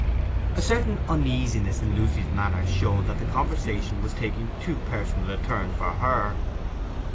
A certain uneasiness in Lucy's manner showed that the conversation was taking too personal a turn for her.